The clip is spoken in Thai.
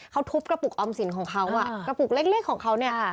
เขาทุบกระปุกออมสินของเขาอ่ะกระปุกเล็กของเขาเนี่ย